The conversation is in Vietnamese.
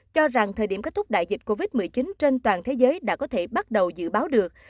cho rằng thời điểm kết thúc đại dịch covid một mươi chín trên toàn thế giới đã có thể bắt đầu dự báo được